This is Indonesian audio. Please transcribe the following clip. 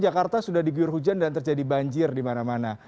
jakarta sudah digiur hujan dan terjadi banjir di mana mana